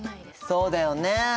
そうだよねはい。